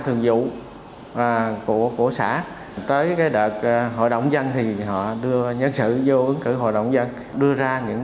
thường vụ của của xã tới cái đợt hội động dân thì họ đưa nhân sự vô ứng cử hội động dân đưa ra những